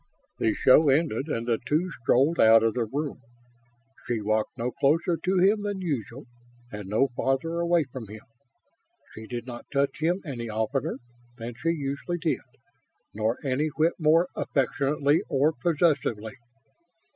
The show ended and the two strolled out of the room. She walked no closer to him than usual, and no farther away from him. She did not touch him any oftener than she usually did, nor any whit more affectionately or possessively.